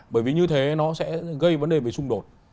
bởi vì như thế nó sẽ gây vấn đề về xung đột